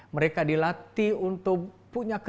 mereka dilatih untuk punya kemampuan